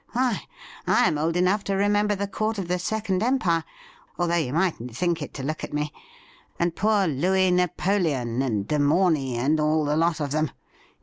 Why, I am old enough to remember the Court of the Second Empire — although you mightn't think it, to look at me — and poor Louis Napoleon, and De Morny, and all the lot of them.